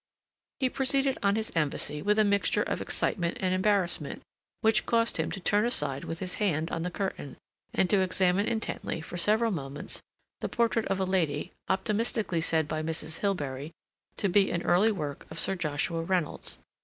He proceeded on his embassy with a mixture of excitement and embarrassment which caused him to turn aside with his hand on the curtain, and to examine intently for several moments the portrait of a lady, optimistically said by Mrs. Hilbery to be an early work of Sir Joshua Reynolds.